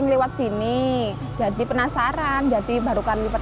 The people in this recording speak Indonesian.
nasi wader segaran ini memiliki rasa yang khas dan resep bumbu yang berbeda